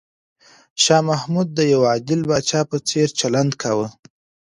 شاه محمود د یو عادل پاچا په څېر چلند کاوه.